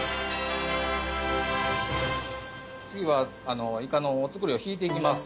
次はイカのお造りを引いていきます。